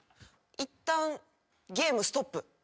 いったんゲームストップ。ＯＫ？